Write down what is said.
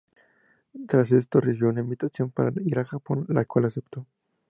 Tras esto, recibió una invitación para ir a Japón la cual aceptó.